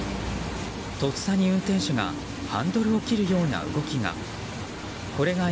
とっさに運転手がハンドルを切るような動きが。